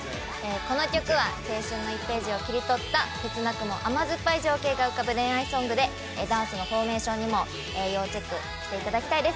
この曲は青春の１ページを切り取った切なくも甘じょっぱいシーンが浮かぶ恋愛ソングでダンスのフォーメーションにも要チェックしていただきたいです。